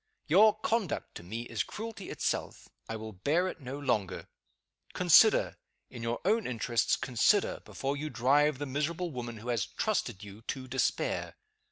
Your conduct to me is cruelty itself; I will bear it no longer. Consider! in your own interests, consider before you drive the miserable woman who has trusted you to despair.